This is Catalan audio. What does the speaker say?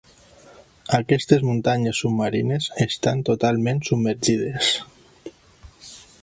Aquestes muntanyes submarines estan totalment submergides.